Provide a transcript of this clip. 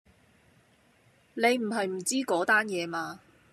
你唔係唔知嗰單野嘛？